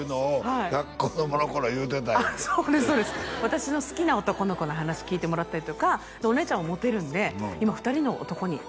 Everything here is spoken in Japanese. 私の好きな男の子の話聞いてもらったりとかお姉ちゃんはモテるんで「今２人の男に」